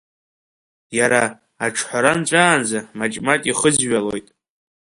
Иара, аҿҳәара нҵәаанӡа, маҷ-маҷ ихызҩалоит.